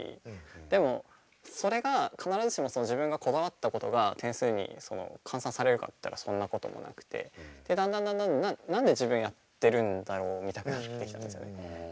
でもそれが必ずしもその自分がこだわったことが点数に換算されるかっていったらそんなこともなくてだんだんだんだん何で自分やってるんだろうみたくなってきたんですよね。